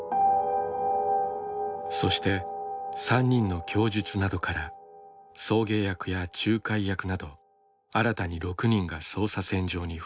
そして３人の供述などから送迎役や仲介役など新たに６人が捜査線上に浮上。